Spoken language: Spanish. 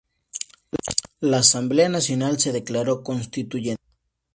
La Asamblea Nacional se declaró Constituyente.